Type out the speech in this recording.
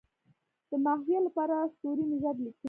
د ماهویه لپاره سوري نژاد لیکلی.